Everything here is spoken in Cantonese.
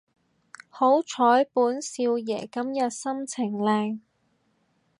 好彩本少爺今日心情靚